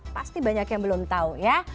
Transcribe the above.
pasti banyak yang belum tahu ya